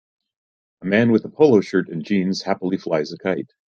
A man with a polo shirt and jeans happily flies a kite.